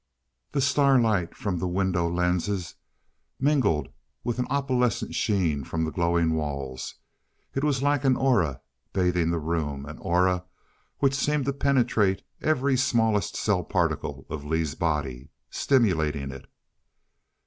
The starlight from the window lens mingled with an opalescent sheen from the glowing walls. It was like an aura, bathing the room an aura which seemed to penetrate every smallest cell particle of Lee's body stimulating it....